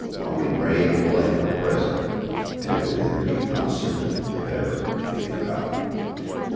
Only Ray and Blake were present and it was an interview not soon, if ever, to be forgotten.